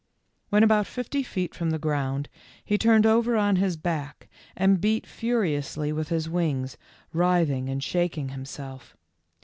When about fifty feet from the ground he turned over on his back and beat furiously with his wings, writhing and shaking himself.